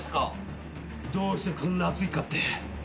どうしてこんな厚着かって？